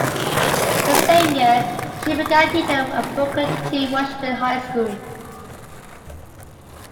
The same year, she began teaching at Booker T. Washington High School.